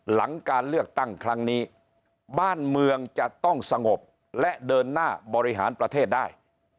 หลังการเลือกตั้งครั้งนี้บ้านเมืองจะต้องสงบและเดินหน้าบริหารประเทศได้